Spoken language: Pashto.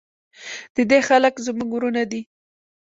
د دې خلک زموږ ورونه دي